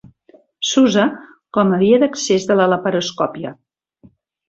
S'usa com a via d'accés de la laparoscòpia.